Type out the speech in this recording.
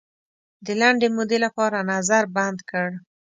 د لنډې مودې لپاره نظر بند کړ.